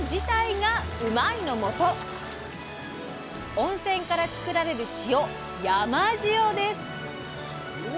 温泉からつくられる塩「山塩」です。